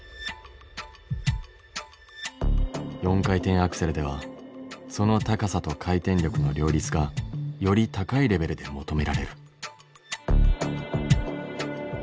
４回転アクセルではその高さと回転力の両立がより高いレベルで求められる。